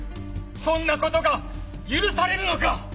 そんなことが許されるのか！